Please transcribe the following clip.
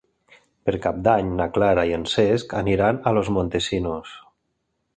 Per Cap d'Any na Clara i en Cesc aniran a Los Montesinos.